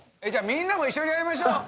みんなも一緒にやりましょう。